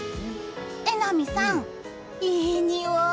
榎並さん、いい匂い！